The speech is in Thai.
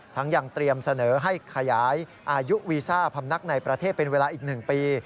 ยังเตรียมเสนอให้ขยายอายุวีซ่าพำนักในประเทศเป็นเวลาอีก๑ปี